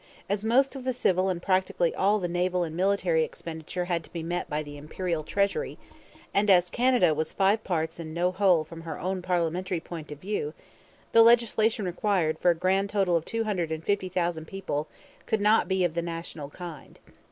As most of the civil and practically all the naval and military expenditure had to be met by the Imperial Treasury, and as Canada was five parts and no whole from her own parliamentary point of view, the legislation required for a grand total of two hundred and fifty thousand people could not be of the national kind.